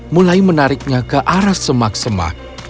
mulai menariknya ke arah semak semak